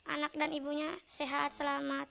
anak dan ibunya sehat selamat